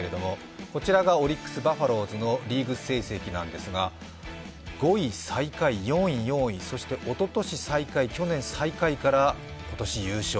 こちらがオリックスバファローズのリーグ成績なんですが５位、最下位、４位、４位そしておととし最下位、去年最下位から今年優勝。